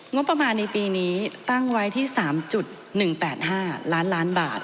งบประมาณในปีนี้ตั้งไว้ที่๓๑๘๕ล้านล้านบาท